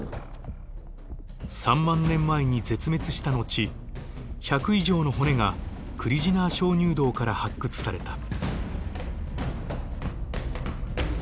３万年前に絶滅した後１００以上の骨がクリジナー鍾乳洞から発掘された。